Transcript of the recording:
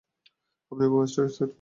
আপনি বোমা সেট করুন।